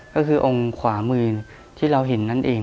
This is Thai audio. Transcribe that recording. ก็คือองค์ขวามือที่เราเห็นนั่นเอง